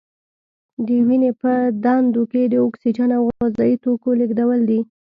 د وینې په دندو کې د اکسیجن او غذايي توکو لیږدول دي.